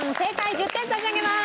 １０点差し上げます。